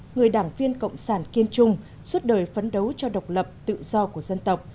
người đảng viên cộng sản kiên trung suốt đời phấn đấu cho độc lập tự do của dân tộc